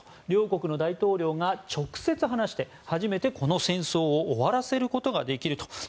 両国の大統領が直接話して初めてこの戦争を終わらせることができると。